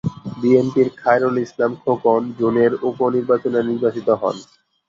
বিএনপির খায়রুল ইসলাম খোকন জুনের উপ-নির্বাচনে নির্বাচিত হন।